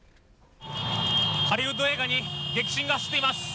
ハリウッド映画に激震が走っています。